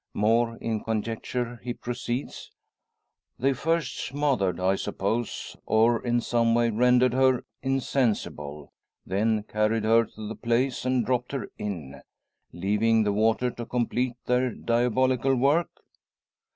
More in conjecture, he proceeds "They first smothered, I suppose, or in some way rendered her insensible; then carried her to the place and dropped her in, leaving the water to complete their diabolical work?